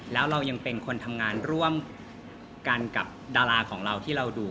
แล้วเรายังเป็นคนทำงานร่วมกันกับดาราของเราที่เราดู